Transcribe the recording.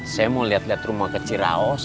saya mau liat liat rumah ke ciraos